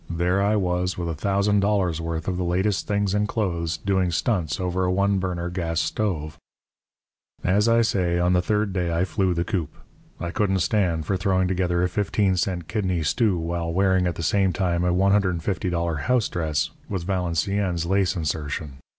There I was, with a thousand dollars' worth of the latest things in clothes, doing stunts over a one burner gas stove. "As I say, on the third day I flew the coop. I couldn't stand for throwing together a fifteen cent kidney stew while wearing, at the same time, a $150 house dress, with Valenciennes lace insertion.